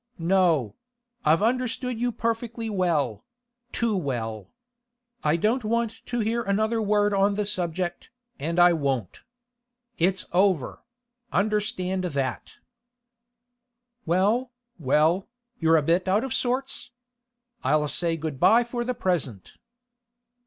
'No; I've understood you perfectly well—too well. I don't want to hear another word on the subject, and I won't. It's over; understand that.' 'Well, well; you're a bit out of sorts. I'll say good bye for the present.